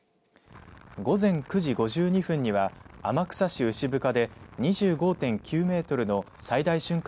午前９時５２分には天草市牛深で２５．９メートルの最大瞬間